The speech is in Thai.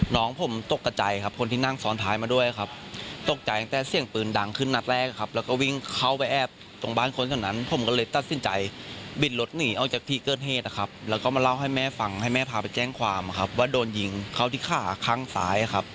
น้องผมตกกระใจครับคนที่นั่งซ้อนท้ายมาด้วยครับตกใจตั้งแต่เสียงปืนดังขึ้นนัดแรกครับแล้วก็วิ่งเข้าไปแอบตรงบ้านคนคนนั้นผมก็เลยตัดสินใจบิดรถหนีออกจากที่เกิดเหตุนะครับแล้วก็มาเล่าให้แม่ฟังให้แม่พาไปแจ้งความครับว่าโดนยิงเข้าที่ขาข้างซ้ายครับ